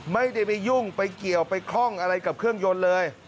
ไม่ได้ไปยุ่งไปเกี่ยวไปคล่องอะไรกับเครื่องยนต์เลย